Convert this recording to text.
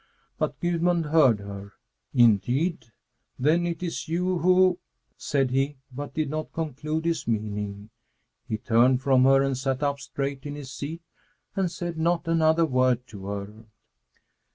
But Gudmund heard her. "Indeed! Then it is you who " said he, but did not conclude his meaning. He turned from her, and sat up straight in his seat and said not another word to her.